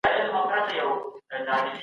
صنعتي سکتور څنګه د کیفیت معیارونه تعقیبوي؟